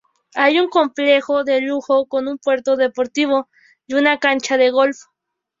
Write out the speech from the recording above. Hay un complejo de lujo con un puerto deportivo y una cancha de golf.